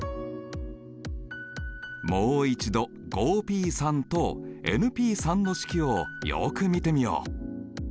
もう一度ＰとＰの式をよく見てみよう。